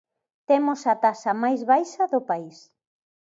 Temos a taxa máis baixa do país.